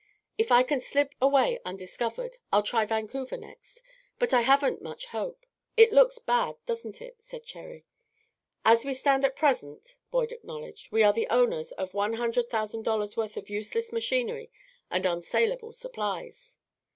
If I can slip away undiscovered, I'll try Vancouver next, but I haven't much hope." "It looks bad, doesn't it?" said Cherry. "As we stand at present," Boyd acknowledged, "we are the owners of one hundred thousand dollars' worth of useless machinery and unsalable supplies."